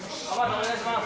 お願いします！